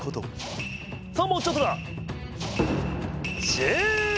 さあもうちょっとだ！